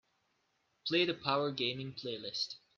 Play the Power Gaming playlist.